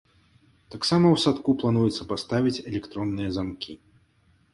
Таксама ў садку плануецца паставіць электронныя замкі.